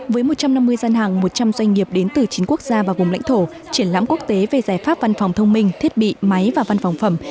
với một trăm năm mươi gian hàng một trăm linh doanh nghiệp đến từ chín quốc gia và vùng lãnh thổ triển lãm quốc tế về giải pháp văn phòng thông minh thiết bị máy và văn phòng phẩm